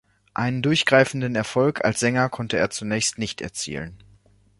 Einen durchgreifenden Erfolg als Sänger konnte er zunächst nicht erzielen.